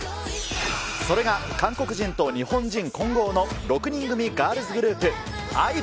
それが韓国人と日本人混合の６人組ガールズグループ、ＩＶＥ。